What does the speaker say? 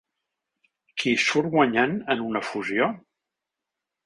Qui hi surt guanyant en una fusió?